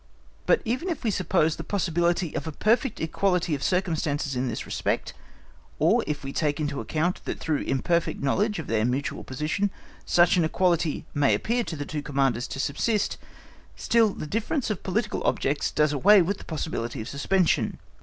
But even if we suppose the possibility of a perfect equality of circumstances in this respect, or if we take into account that through imperfect knowledge of their mutual position such an equality may appear to the two Commanders to subsist, still the difference of political objects does away with this possibility of suspension.